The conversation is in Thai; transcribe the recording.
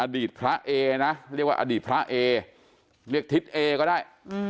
อดีตพระเอนะเรียกว่าอดีตพระเอเรียกทิศเอก็ได้